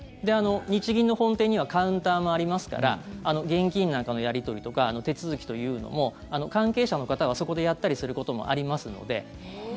日銀の本店にはカウンターもありますから現金なんかのやり取りとか手続きというのも関係者の方はそこでやったりすることもありますので。